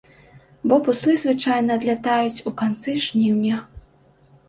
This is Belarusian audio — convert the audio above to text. Бо буслы звычайна адлятаюць у канцы жніўня.